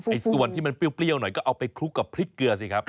ส่วนที่มันเปรี้ยวหน่อยก็เอาไปคลุกกับพริกเกลือสิครับ